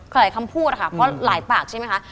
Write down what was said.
หลายคำพูดค่ะเพราะหลายปากใช่ไหมคะ